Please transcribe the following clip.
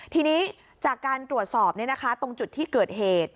ทีนี้จากการตรวจสอบตรงจุดที่เกิดเหตุ